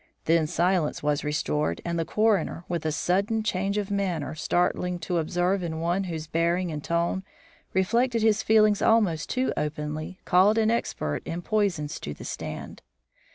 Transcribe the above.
Then silence was restored, and the coroner, with a sudden change of manner startling to observe in one whose bearing and tone reflected his feelings almost too openly, called an expert in poisons to the stand.